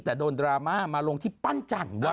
แต่โดนดราม่ามาลงที่ปั้นจันทร์ว่ะ